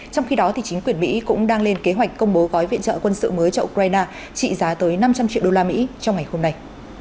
trong khi đó chính quyền mỹ cũng đang lên kế hoạch công bố gói viện trợ quân sự mới cho ukraine trị giá tới năm trăm linh triệu đô la mỹ trong ngày hôm nay